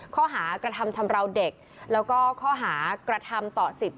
ข้อหากระทำชำราวเด็กแล้วก็ข้อหากระทำต่อสิทธิ